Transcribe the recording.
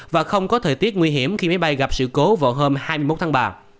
và không có thời tiết nguy hiểm khi máy bay gặp sự cố vào hôm hai mươi một tháng ba